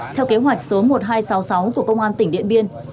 theo kế hoạch số một nghìn hai trăm sáu mươi sáu của công an tỉnh điện biên